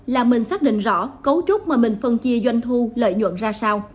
là mình xác định rõ cấu trúc mà mình phân chia doanh thu lợi nhuận ra sao